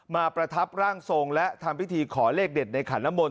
ประทับร่างทรงและทำพิธีขอเลขเด็ดในขันน้ำมนต